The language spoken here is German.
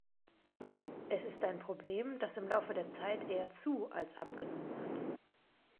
Es ist ein Problem, das im Laufe der Zeit eher zuals abgenommen hat.